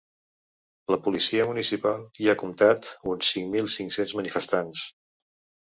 La policia municipal hi ha comptat uns cinc mil cinc-cents manifestants.